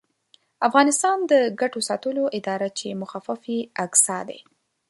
افغانستان د ګټو ساتلو اداره چې مخفف یې اګسا دی